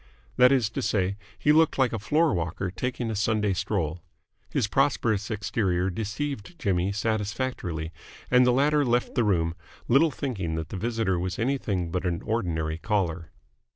That is to say, he looked like a floorwalker taking a Sunday stroll. His prosperous exterior deceived Jimmy satisfactorily, and the latter left the room little thinking that the visitor was anything but an ordinary caller.